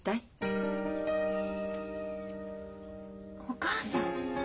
お母さん。